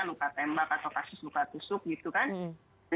luka tembak atau kasus luka tusuk gitu kan